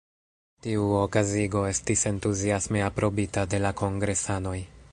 Tiu okazigo estis entuziasme aprobita de la kongresanoj.